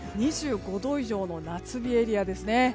２５度以上の夏日エリアですね。